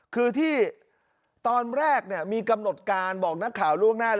คือที่ตอนแรกมีกำหนดการบอกนักข่าวล่วงหน้า